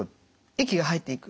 液が入っていく。